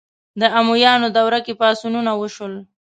د امویانو دوره کې پاڅونونه وشول